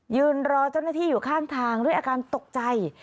ยืนรอเจ้าหน้าที่อยู่ข้างทางด้วยอาการตกใจ